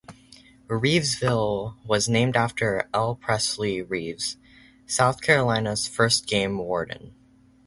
Reevesville was named after L. Pressley Reeves, South Carolina's first game warden.